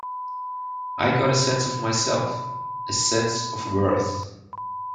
I got a sense of my self - a sense of worth.